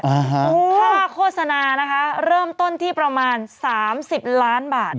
ค่าว่าโฆษณาเริ่มต้นที่ประมาณ๓๐ล้านบาท